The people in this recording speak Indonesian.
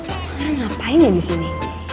pangaran ngapain ada disini